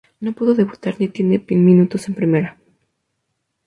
No pudo debutar ni tener minutos en primera.